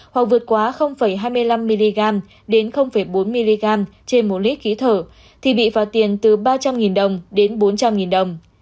hoặc vượt quá hai mươi năm mg đến bốn mg trên một lít khí thở thì bị phạt tiền từ ba trăm linh đồng đến bốn trăm linh đồng